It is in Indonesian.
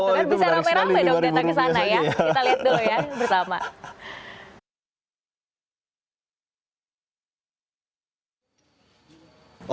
kan bisa rame rame dong datang ke sana ya kita lihat dulu ya bersama